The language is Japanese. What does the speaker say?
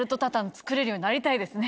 作れるようになりたいですね。